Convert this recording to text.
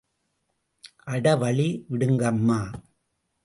அட வழி விடுங்கம்மா.